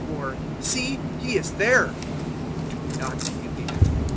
or 'See, He is there!' do not believe it.